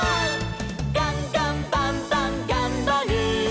「ガンガンバンバンがんばる！」